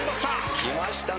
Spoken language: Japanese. きましたね